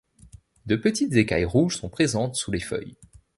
De petites écailles rouges sont présentes sous les feuilles.